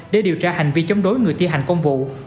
để điều tra hành vi chống đối người thi hành công vụ